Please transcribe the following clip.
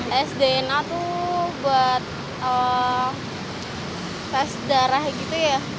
tes dna tuh buat tes darah gitu ya